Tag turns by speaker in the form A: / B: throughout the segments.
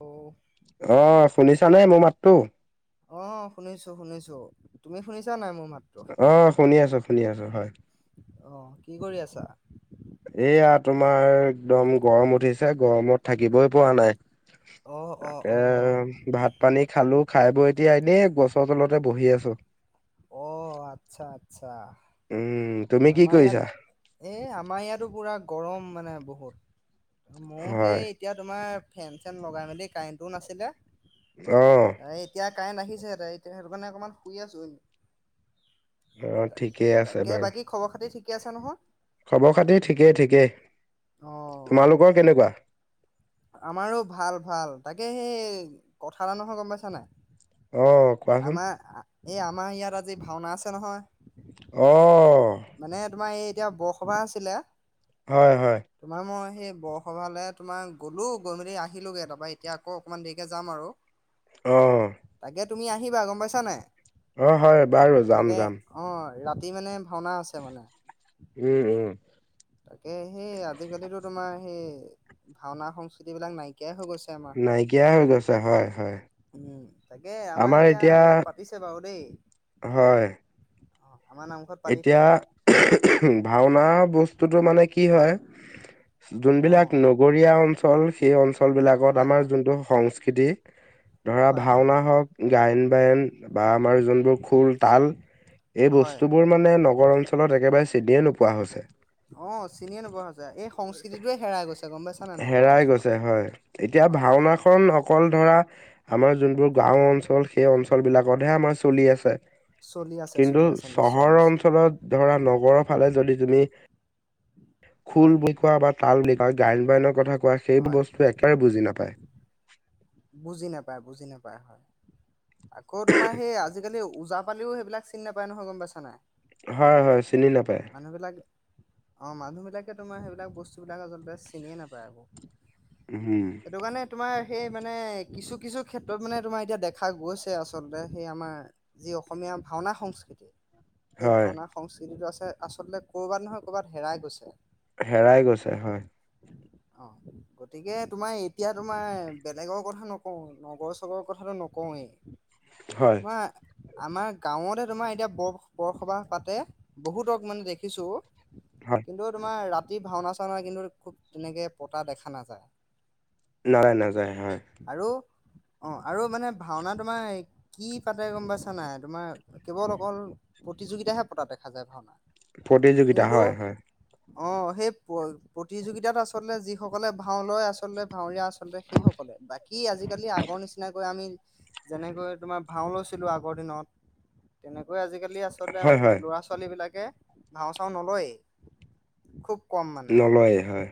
A: অ'।
B: অ', শুনিছানে মোৰ মাতটো?
A: অ', শুনিছো, শুনিছো। তুমি শুনিছা নাই মোৰ মাত
B: অ', শুনি আছো। শুনি আছো হয়।
A: অ', কি কৰি আছা?
B: এয়া তোমাৰ একদম গৰম উঠিছে। গৰমত থাকিবই পৰা নাই।
A: অ', অ',
B: তাকে
A: অ',
B: ভাত-পানী খালো খাই বৈ এতিয়া এনে গছৰ তলতে বহি আছো।
A: অ', আচ্ছা, আচ্ছা।
B: উম, তুমি কি
A: আমাৰ ইয়াত
B: কৰিছা?
A: এ আমাৰ ইয়াতো পুৰা গৰ। গৰম মানে বহুত। মোৰ
B: হয়।
A: সেই, এতিয়া তোমাৰ। ফেন -চেন লগাই মেলি কাৰেণ্টটো নাছিলে।
B: অহ।
A: তাই এতিয়া কাৰেণ্ট আহিছে ত এতিয়া সেইটো কাৰণে অকমান শুই আছো।
B: অ ঠিকেই আছে
A: তাকে
B: বাৰু।
A: বাকী খবৰ খাতি ঠিকে আছে নহয়?
B: খবৰ খাতি ঠিকেই, ঠিকেই তোমালোকৰ কেনেকুৱা?
A: আ আমাৰো ভাল, ভাল তাকে সেই কথা এটা নহয় গম পাইছা নাই?
B: অহ কোৱাচোন।
A: আমাৰ এই আমাৰ ইয়াত আজি ভাওনা আছে নহয়।
B: অ।
A: মানে, এ তোমাৰ এইত এতিয়া বৰসভা আছিলে।
B: হয়, হয়।
A: তোমাৰ মই সেই বৰসভালে তোমাৰ গ'লো, গৈ মেলি আহিলোগে এ তাৰপা এতিয়া আকৌ অকণমান দেৰিকে যাম আৰু।
B: অহ।
A: তাকে তুমি আহিবা, গম পাইছা নাই?
B: অ হয়, বাৰু যাম,
A: তাকে
B: যাম।
A: অ ৰাতি মানে ভা ভাওনা আছে মানে।
B: উম, উম।
A: তাকে, সেই আজি কালিতো তোমাৰ সেই ভাওনা সংস্কৃতি বিলাক নাইকিয়া
B: নাইকিয়াই হৈ গৈছে হয়, হয়।
A: উম তাকে আমাৰ এতিয়া ইয়াত পাতিছে বাৰু দেই।
B: হয়
A: অ আমাৰ নামঘৰত পাতি
B: এতিয়া,
A: থাকে
B: ভাওনা বচ টোতো মানে কি
A: অ
B: হয়,
A: অ
B: যোনবিলাক নগৰীয়া অঞ্চল সেই অঞ্চল অল বিলাকত
A: হয়
B: আমাৰ
A: হয়
B: যোনটো সংস্হ খেদি। ধৰা
A: হয় হয়
B: ভাওনা হওক গায়ন -বায়ন বা আমাৰ যোনবোৰ খোল -তাল এই
A: হয়
B: বস্তু বোৰ মানে নগৰ অঞ্চলত একেবাৰে চিডিয়ে নোপোৱা হৈছে।
A: অ চিনিয়ে নোপোৱা হৈছে এই সংস্কৃতিটোৱে হেৰাই গৈছে। গম পাইছা নাই নগৰ
B: হেৰাই
A: অঞ্চলত
B: গৈছে হয় এতিয়া
A: হয় হয়
B: ভাওনাখন অ কল ধৰা আমাৰ যোনবোৰ
A: অঁ
B: গাঁও অঞ্চল সেই অঞ্চলবিলাকতহে আমাৰ চলি আছে।
A: চলি আছে চলি
B: কিন্তু
A: আছে নিশ্চয়
B: চহৰৰ
A: নিশ্চয়
B: অঞ্চলত ধৰা নগৰৰ ফালে যদি তুমি খোল
A: হয়
B: বা তাল গায়ন কথা কোৱা সেইবোৰ
A: হয়
B: বস্তু একেবাৰে বুজি নাপায়।
A: বুজি নাপায় বুজি নাপায় হয়। আকৌ তোমাৰ সেই আজিকালি ওজ পালিও সেইবাক চিনি নাপায় নহয় গম পাইছে নাই
B: হয় হয় চিনি নাপায়
A: মানুহ বিলাক অ মানুহ মানুহ বিলাকে তোমাৰ সেইবিলাক বস্তুবিলাক আচলতে চিনিয়ে নাপায় আকৌ
B: উম
A: সেইটো কাৰণে তোমাৰ সেই মানে কিছু কিছু ক্ষেত্ৰত মানে তোমাৰ এতিয়া দেখা গৈছে আচলতে সেই আমাৰ যি অসমীয়া ভাওনা সংস্কৃতি সেই
B: হয়
A: ভাওনা সংস্কৃতিটো আছে আচলতে ক'ৰবাত নহয় ক'ৰবাত হেৰাই গৈছে
B: হেৰাই গৈছে হয়
A: অ গতিকে তোমাৰ এতিয়া তোমাৰ বেলেগৰ কথা নকওঁ নগৰ চগৰৰ কথাটো নকওঁৱেই
B: হয়
A: তোমাৰ আমাৰ গাঁৱতে তোমাৰ এতিয়া বৰ বৰসবাহ পাতে বহুত মানে দেখিছো
B: হয়
A: কিন্তু তোমাৰ ৰা প্ৰতি ভাওনা চাওনা কিন্তু খুব তেনেকৈ পতা দেখা নাযায়
B: নাযায় নাযায় হয়
A: আৰু অ আৰু মানে ভাওনা তোমাৰ কি পাতে গম পাইছা নাই তোমাৰ কেৱল অকল প্ৰতিযোগিতাহে পতা দেখা যায় ভাওনা।
B: প্ৰতিযোগিতা
A: কিন্তু
B: হয় হয়।
A: অ সেই প্ৰতিযোগিতাত আচলতে যিসকলে ভাও লয় আচলতে ভাউৰীয়া আচ আচলতে সেই সকলে বাকী আজিকালি আগৰ নিচিনাকৈ আমি যেনেকৈ তোমাৰ ভাও লৈছিলো আগৰ দিনত তেনেকৈ আজিকালি আচলতে
B: হয় হয়
A: ল'ৰা ছোৱালী বিলাক কে ভাওঁ চাওঁ নলয় খুব কম মানে
B: নলয়ে হয়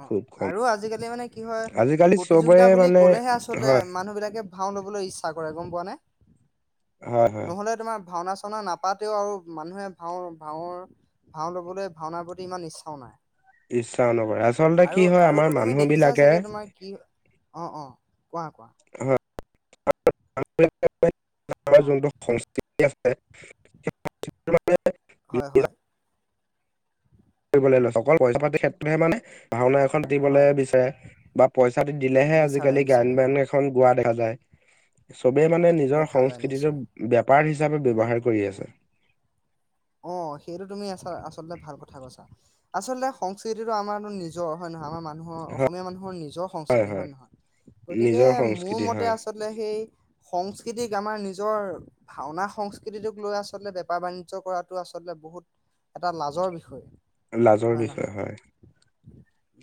A: অ
B: খুব কম
A: আৰু আজিকালি মানে কি হয়
B: আজিকালি চবৰে
A: প্ৰতিযোগিতা বুলি
B: মানে
A: ক'লেহে আচলতে
B: হয়
A: মানুহ বিলাকে ভাও ল'বলৈ ইচ্ছা কৰে গম পোৱা নে
B: হয় হয়
A: নহলে তোমাৰ ভাওনা চাওনা নাপাতেও আৰু মানুহে ভাওৰ ভাওৰ ভাও ল'বলৈ ভাওনাৰ প্ৰতি ইমান ইচ্ছাও নাই
B: ইশ চাও নকৰে আচলতে
A: আৰু
B: কি হয়
A: আৰুতো
B: আমাৰ
A: তুমি
B: মানুহ
A: দেখিছা
B: বিলাকে
A: চাগে তোমাৰ কি অ অ কোৱা কোৱা
B: [unintelligible] আমাৰ
A: অ
B: যোনটো সংস্কৃতি আছে [unintelligible]
A: হয় হয়
B: অকল পইচা পাতিৰ ক্ষেত্ৰতহে মানে ভাওনা এখন
A: হয়
B: দিবলৈ বিচাৰে বা পইচা দি দিলেহে
A: বিচাৰে
B: আজিকালি গায়ন
A: বিচাৰে হয়
B: বায়ন পোৱা দেখা যায় চবেই মানে নিজৰ
A: দেখা যায় নিশ্চয়
B: সংস্কৃতিটোৰ বেপাৰ হিচাপে ব্যৱহাৰ কৰি আছে
A: অ সেইটো তুমি আচলতে ভাল কথা কৈছা। আচলতে সংস্কৃতিটো আমাৰো নিজৰ হয় নহয়? আমাৰ মান মানুহৰ অসমীয়া মানুহৰ নিজৰ সংস্কৃতি হয় নে নহয়? গতিকে
B: নিজৰ
A: মোৰ
B: সংস্কৃতি
A: মতে
B: হয়
A: আচলতে সেই সংস্কৃতিক আমাৰ নিজৰ ভাওনা সংস্কৃতিটোক লৈ আচলতে বেপাৰ বাণিজ্য কৰাত টো আচলতে বহুত এটা লাজৰ বিষয়ে
B: লাজৰ বিষয় হয়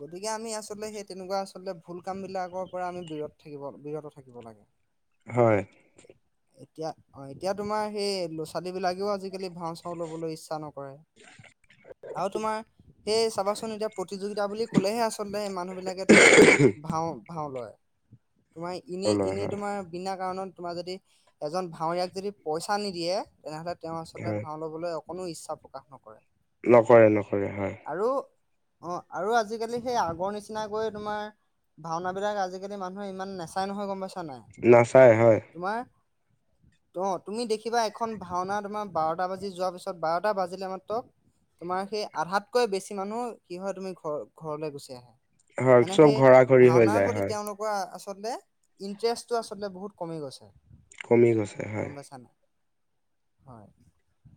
A: গতিকে আমি আচলতে সেই তেনেকুৱা আচলতে ভুল কাম বিলাকৰ পৰা আমি বিৰত থাকিব বিৰত থাকিব লাগে
B: হয়
A: এতিয়া অ এতিয়া তোমাৰ সেই ল'ৰা ছোৱালী বিলাকেও আজিকালি ভাও ল'বলৈ ইচ্ছা নকৰে কৰে আৰু তোমাৰ সেই চাবাচোন এতিয়া প্ৰতিযোগিতা বুলি কলেহে আচলতে মানুহবলাকে তোমাৰ ভাও ভাও লয় তোমাৰ ইনে
B: লয়
A: ইনে
B: হয়
A: তোমাৰ বিনা কাৰণত তোমাৰ যদি এজন ভাওৰীয়াক যদি পইচা নিদিয়ে তেনেহলে তেওঁ
B: হয়
A: আচলতে ল'বলে অকণো ইচ্ছা প্ৰকাশ নকৰে
B: নকৰে নকৰে হয়
A: আৰু অ আৰু আজিকালি সেই আগৰ নিচিনাকৈ তোমাৰ ভাওনা বিলাক আজিকালি মানুহে ইমান নেচাই নহয় গম পাইছ ছা নাই
B: নাচায় হয়
A: তোমাৰ অ তুমি দেখিবা এখন ভাওনা তোমাৰ বাৰত এটা বাজি যোৱাৰ পিছত বাৰটা বাজিলে মাত্ৰ তোমাৰ সেই আধাতকৈ বেছি মানুহ কি হয় তুমি ঘৰ ঘৰলৈ গুচি আহে
B: হয়
A: মানে
B: চব
A: সেই
B: ঘৰা ঘৰি হৈ
A: ভাওনাৰ
B: যায়
A: প্ৰতি
B: হয়
A: তেওঁলোকৰ আচলতে ইণ্টাৰেষ্টটো আচলতে বহুত কমি গৈছে
B: কমি গৈছে হয়
A: গম পাইছা নাই হয়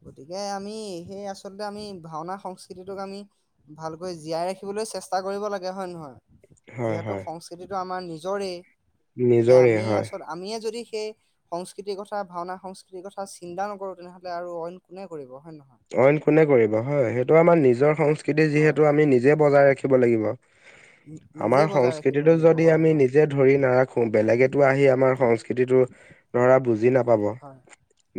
A: গতিকে আমি সেই আচলতে আমি ভাওনা সংস্কৃতিটোক আমি ভালকৈ জীয়াই ৰাখিবলৈ চেষ্টা কৰিব লাগে হয় নহয়
B: হয়
A: যিহেতু
B: হয়
A: সংস্কৃতিটো আমাৰ নি নিজৰে গতিকে
B: নিজৰে
A: আমি
B: হয়
A: আচল আমিয়ে যদি সেই সংস্কৃতিৰ কথা ভাওনা সংস্কৃতিৰ কথা চিন্তা নকৰো তেনেহলে আৰু অইন কোনে কৰিব। হয় নহয়
B: অইন কোনে কৰিব হয়, সেইটো আমাৰ নিজৰ। সংস্কৃতি,
A: হয়
B: যিহেতু আমি নিজে বজাই ৰাখিব লাগিব।
A: নিজে
B: আমাৰ
A: বজাই ৰাখিব
B: সংস্কৃতিটো
A: লাগিব
B: যদি
A: হয়
B: আমি
A: হয়
B: নিজে ধৰি নাৰাখো, বেলেগেটো আহি আমাৰ সংস্কৃতিটো ধৰা বুজি নাপ পাব।
A: হয়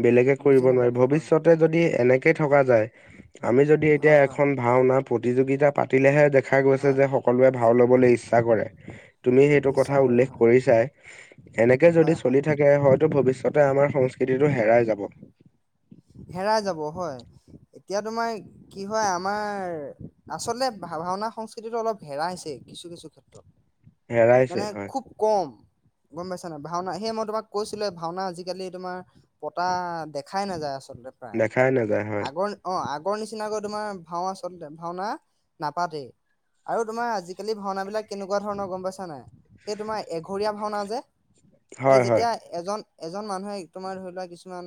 B: বেলেগে কৰিব
A: বুজি
B: নোৱাৰিব,
A: নাপাব হয়
B: ভৱিষ্যতে যদি এনেক থকা যায় আমি যদি এতিয়া
A: হয় হয়
B: এখন ভাওনাত প্ৰতিযোগিতা পাতিলেহে দে দেখা গৈছে
A: হয়
B: যে সকলোৱে ভাও ল'বলৈ ইচ্ছা কৰে, তুমি সেইটো কথা
A: ইচ্ছা কৰে
B: উল্লেখ
A: হয়
B: কৰিচাই। এনেকে যদি
A: হয়
B: চলি
A: হয়
B: থাকে। হয়তো ভৱিষ্যতে আমাৰ, সংস্কৃতিটো হেৰাই যা'ব।
A: হেৰাই যাব হয়। এতিয়া তোমাৰ কি হয়, আমাৰ আচলতে ভাওনা সংস্কৃতিটো অলপ হেৰাইছে। কিছু-কিছু ক্ষেত্ৰত।
B: হেৰাইছে
A: মানে
B: হয়
A: খুব ক'ম। গ'ম পাইছা নাই? ভাওনা সেই মই তোমাক কৈছিলোয়েই‌ ভাওনা আজিকালি তোমাৰ পতা দেখাই নাযায়। আচ
B: দেখাই নাযায় হয়
A: আগৰ অ' আগৰ নিচিনাকৈ তোমাৰ ভাও আচলতে ভাওনা নাপাতেই আৰু তোমাৰ আজিকালি ভাওনাবিলাক কেনেকুৱা ধৰণৰ গ'ম পাইছা পইছা নাই সেই তোমাৰ এঘৰীয়া ভাওনা যে সেই
B: হয় হয়
A: যেতিয়া এজন এজন মানুহে তোমাৰ ধৰিলোৱা কিছুমান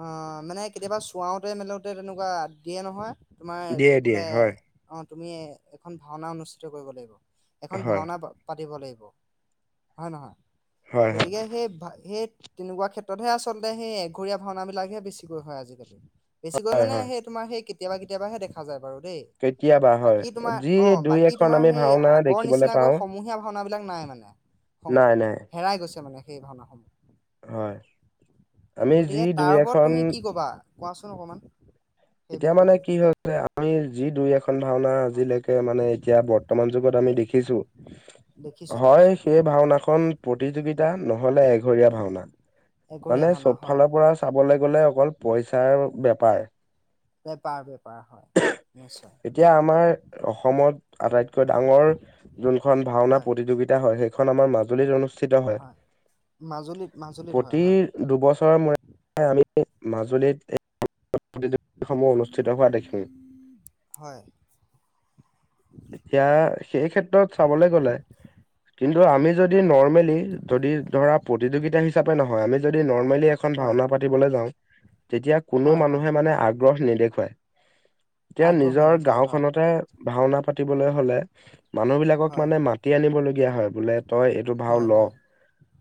A: আ মানে কেতিয়াবা চুৱাওঁতে মেলোতে তেনেকুৱা দিয়ে নহয় তোমাৰ
B: দিয়ে দিয়ে
A: বোলে
B: হয়
A: অ' তুমিয়ে এখন ভাওঁনা অনুষ্ঠিত কৰিব লাগিব। এখন
B: হয়
A: ভাওঁনা পাতিব লাগিব। হয় নহয়?
B: হয় হয়
A: গতিকে সেই ভা' সেই তেনেকুৱা ক্ষেত্ৰতহে আচলতে সেই এঘৰীয়া ভাওঁনাবিলাকহে বেছিকৈ হৈ আজিকালি। বেছিকৈ
B: হয়
A: মানে
B: হয়
A: সেই তোমাৰ সেই কেতিয়াবা কেতিয়াবা হে দেখা যায় বাৰু। দেই
B: কেতিয়াবা হয়,
A: বাকী তোমাৰ
B: যি
A: অ
B: দুই
A: বাকী
B: এখন
A: তোমাৰ
B: আমি
A: সেই
B: ভাওঁনা দেখি
A: আগৰ নিচিনাকৈ সমূহীয়া ভাওনাবিলাক নাই মানে, সং
B: নাই নাই
A: হেৰাই গৈ ছে মানে সেই ভাওনাসমূহ।
B: হয়। আমি যি
A: গতিকে
B: দুই
A: তাৰ ওপৰত
B: এখন
A: তুমি কি কবা কোৱাচোন অকণমান।
B: এতিয়া মানে কি হৈছে আমি যি দুই এখন খন ভাওনা
A: হয়
B: আজিলৈকে মানে এতিয়া বৰ্তমান যুগত আমি দেখিছো,
A: দেখিছো
B: হয়
A: দেখিছো
B: সেই ভাওনাখন প্ৰতিযোগিতা নহলে এক এঘৰীয়া ভাওনা, মানে
A: এঘৰীয়া ভাওনা
B: ছোব
A: হয়
B: ফালৰ পৰা চাব গলে অকল পইচাৰ উপায়
A: বেপাৰ বেপাৰ হয় নিশ্চয়
B: এতিয়া আমাৰ অসমত আটাইতকৈ ডাঙৰ যোনখন ভাওনা
A: হয়
B: প্ৰতিযোগিতা হয় সেইখন আমাৰ মাজুলীত অনুষ্ঠিত হয়,
A: মাজুলীত মাজুলীত হয়
B: প্ৰতি
A: হয়
B: দুবছৰৰ মূৰে আমি মাজুলীত [unintelligible] সমূহ অনুষ্ঠিত হোৱা দেখিম,
A: হয়
B: এতিয়া সেই ক্ষেত্ৰত চাবলৈ গলে কিন্তু আমি যদি নৰ ৰমেলি যদি ধৰা প্ৰতিযোগিতা হিচাপে নহয় আমি যদি নৰ্মেলি এখন
A: হয়
B: ভাওনা পাতিবলৈ যাওঁ। যেতিয়া কোনো
A: হয় হয়
B: মানুহে মানে আগ গ্ৰহ নেদেখুৱায়। এতিয়া
A: আগ্ৰহ
B: নিজৰ
A: নেদেখুৱাই হয়
B: গাঁওখনতে। ভাওনা পাতিবলৈ হ'লে মানুহবিলাকক
A: হয়
B: মানে মাতি আনিবলগীয়া হয়, বোলে তই এইটো ভাও
A: হয়
B: ল
A: হয়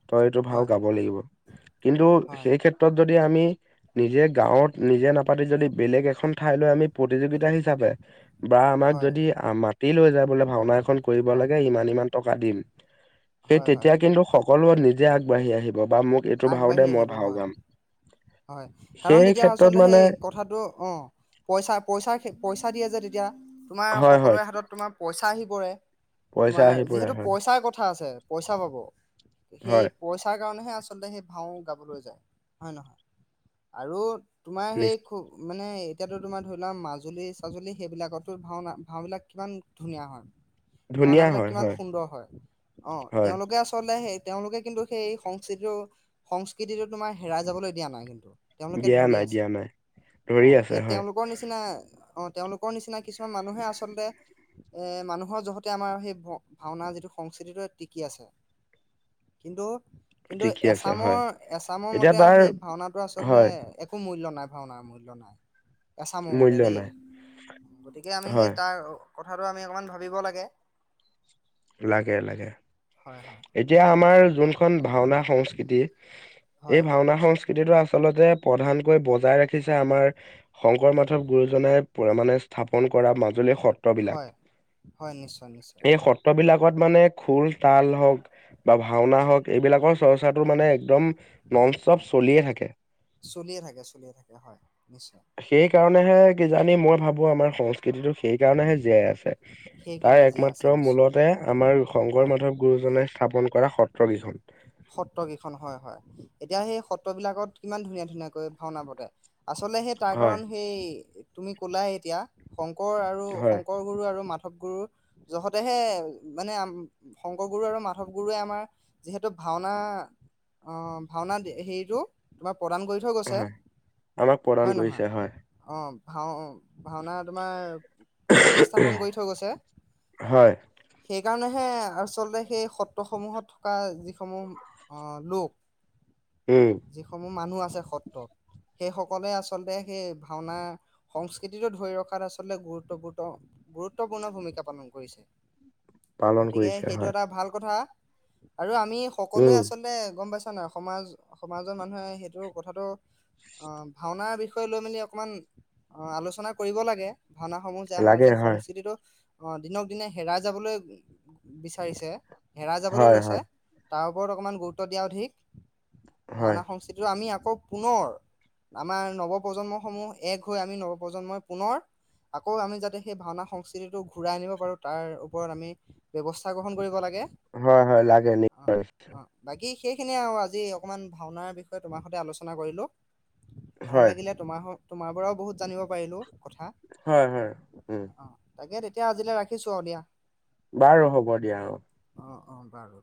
B: তই এইটো ভাও
A: হয়
B: গাব লাগিব কিন্তু
A: হয়
B: সেই ক্ষেত্ৰত যদি যদি আমি নিজে গাঁওত নিজে নাপাতি যদি বেলেগ এখন ঠাইলৈ আমি প্ৰতিযোগিতা হিচাপে বা আমাক
A: হয়
B: যদি মাটি লৈ যায় বোলে ভাওনা এখন কৰিব
A: হয়
B: লাগে ইমান- ইমান টকা দিম সেই
A: হয় হয়
B: তেতিয়া কিন্তু সকলোৱে নি নিজে আগবাঢ়ি আহি ব বা মোক এইটো ভাও দে
A: আগবাঢ়ি
B: মই
A: আহিব
B: ভাও
A: হয়
B: গাম।
A: হয় কাৰণ
B: সেই
A: তেতিয়া
B: ক্ষেত্ৰত
A: আচলতে
B: মানে
A: সেই কথা অঁ পইচা পইচাৰ- পইচা দিয়ে যে তেতিয়া। তোমাৰ
B: হয় হয়
A: সকলোৰে হাতত তোমাৰ পইচা আহি পৰে।
B: পইচা
A: তোমাৰ
B: আহি পৰে
A: যিহেতু
B: হয়
A: পইচাৰ কথা আছে পইচা পাব। সেই
B: হয়
A: পইচা কাৰণেহে আচলতে সেই ভাও গাবলৈ যায়, হয় নহয়। আৰু তোমাৰ সেই
B: নিশ্চ-
A: খুব মানে এতিয়াতো তোমাৰ ধৰি লোৱা মাজুলী চাজুলী সেইবিলাকততো ভাওনা ভাওবলাক কিমান ধুনীয়া হয় ভাওনা
B: ধুনীয়া
A: বিলাক
B: হয়
A: কিমান
B: হয়
A: সুন্দৰ হয়, অঁ
B: হয়
A: তেওঁলোকে আচলতে সেই তেওঁলোকে কিন্তু সেই সংস্কৃতিটো- সংস্কৃতিটো তোমাৰ হেৰাই যাবলৈ দিয়া নাই কিন্তু। তেওঁলোকে
B: দিয়া
A: ধৰি
B: নাই
A: আছে,
B: দিয়া নাই ধৰি
A: অঁ
B: আছে
A: সেই
B: হয়
A: তেওঁলোকৰ নিচিনা অ' তেওঁলোকৰ নিচিনা কিছুমান মানুহে আচলতে এ মানুহৰ জহতে আমাৰ সেই ভ ভাওনা যিটো সংস্কৃতিটো সেটো টিকি আছে, কিন্তু কিন্তু
B: টিকি আছে হয়
A: এছামৰ- এছামৰ
B: এতিয়া
A: মতে আও
B: তাৰ
A: সেই ভাওনাটো আচলতে
B: হয়
A: একো মূল্য নাই ভাওনা মূল্য নাই। এছামৰ মতে
B: মূল্য
A: দেই,
B: নাই
A: গতিকে আমি সেই
B: হয়
A: তাৰ কথাটো আমি অকণমান ভাবিব লাগে।
B: লাগে-লাগে,
A: হয় হয়।
B: এতিয়া আমাৰ যোনখন ভাওনা সংস্কৃতি এই
A: হয়
B: ভাওনা সংচ কৃতিটো আচলতে প্ৰধানকৈ বজাই ৰাখিছে আমাৰ শংকৰ মাধৱ গুৰুজনাই মানে স্থাপন কৰা মাজুলী সত
A: হয়- হয়, নিশ্চয়- নিশ্চয়।
B: বিলাকত মানে খোল, তাল হওক বা ভাওনা হওক, এইবিলাকৰ চৰ্চাটো মানে একদম ননষ্টপ চলিয়েই থাকে
A: চলিয়ে থাকে চলিয়ে থাকে হয় নিশ্চয়
B: সেইকাৰণে হে কিজানি মই ভাবো, আমাৰ সংস্কৃতিটো সেই কাৰণেহে জীয়াই আছে। তাৰ
A: সেইকাৰণে যিয়াই
B: একমাত্ৰ
A: আছে নিশ্চয়।
B: মূলতে আমাৰ
A: হয়।
B: শংকৰ-মাধৱ গুৰুজনাই স্থাপন কৰা সত্ৰ কেইখন।
A: সত্ৰ কেইখন হয়-হয়, এতিয়া সেই সত্ৰবিলাকত কিমান ধুনীয়া ধুনীয়াকৈ ভাওনা পাতে। আচলতে সেই তাৰ
B: হয়
A: কাৰণ সেই তুমি কলায়ে এতিয়া শংকৰ আৰু
B: হয়
A: শংকৰ গুৰু আৰু মাধ শংকৰ গুৰু যহতেহে মানে শংকৰ গুৰু আৰু মাধৱ গুৰুৱে আমাৰ যিহেতু এইটো ভাওনা অ' ভাওনা হেৰিতটো তোমাৰ প্ৰদান কৰি থৈ গৈছে
B: হয় আমাক প্ৰদান
A: হয় নহয়
B: কৰিছে হয়
A: অ'। ভাও ভাওনা তোমাৰ। খুটি স্থাপন কৰি থৈ গৈছে
B: হয়।
A: সেইকাৰণে। হে আচলতে সেই সত্ৰসমূহত থকা যি সমূহ লোক।
B: উম,
A: যিসমূহ মানুহ আছে সত্ৰত। সেই সকলে আচলতে সেই ভাওনা সংস্কৃতিটো ধৰি ৰখাত আচলতে গুৰুত্বপূৰ্ণ, গুৰুত্বপূৰ্ণ ভূমিকা পালন কৰিছে।
B: পালন
A: গতিকে
B: কৰিছে
A: সেইটো
B: হয়,
A: এটা ভাল কথা। আৰু আমি সকলোৱে
B: উম,
A: আচলতে গম পাইছো। নাই সমাজ সমাজৰ মানুহে সেইটো কথাটো অ' ভাওনাৰ বিষয়ে লৈ মেলি অকণমান অ' আলোচনা কৰিব লাগে। ভাওনাসমূহ যে আমাৰ
B: লাগে
A: যে
B: হয়,
A: সংস্কৃতিটো। অ' দিনক দিনে হেৰাই যাবলৈ বিচাৰিছে। হেৰাই যাবলৈ
B: হয়,
A: লৈছে।
B: হয়,
A: তাৰ ওপৰত অকণমান গুৰুত্ব দিয়া অধিক
B: হয়,
A: ভাওনা সংস্কৃতিো আমি আ আকৌ পুনৰ আমাৰ নৱপ্ৰজন্মসমূহ এক হৈ আমি নৱপ্ৰজন্মই, পুনৰ আকৌ আমি যাতে সেই ভাওনা সংস্কৃতিটো ঘূৰাই আনিব পাৰো, তাৰ ওপৰত আমি ব্যৱস্থা গ্ৰহণ কৰিব লাগে।
B: হয়-হয় লাগে।
A: অ
B: দৈনিক
A: অ বাকী সেইখিনিয়ে আৰু আজি অকমান ভাওনাৰ বিষয়ে তোমাৰ সতে আলোচনা কৰিলো। ভাল
B: হয়,
A: লাগিলে তোমাৰ। তোমাৰ পৰাওঁ বহুত জানিব পাৰিলো। কথা
B: হয়, হয়, উম।
A: অ তাকে তেতিয়া আজিলৈ ৰাখিছো অ' দিয়া।
B: বাৰু হ'ব দিয়া অ'।
A: অঁ, অঁ, বাৰু।